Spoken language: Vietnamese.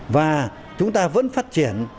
và chúng ta vẫn phát triển